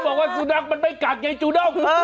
บอกว่าสุนัขมันไม่กัดไงจูด้ง